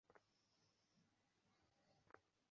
বিনোদিনীও আর কোনো কথা কহিল না।